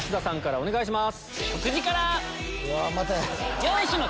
お願いします。